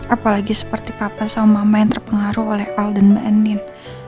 apalagi seperti papa sama mama yang terpengaruh oleh al dan mbak enim